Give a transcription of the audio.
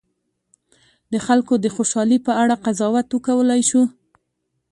د خلکو د خوشالي په اړه قضاوت وکولای شو.